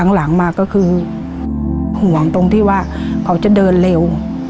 หลังมาก็คือห่วงตรงที่ว่าเขาจะเดินเร็ว